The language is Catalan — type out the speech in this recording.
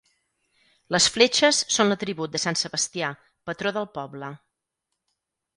Les fletxes són l'atribut de sant Sebastià, patró del poble.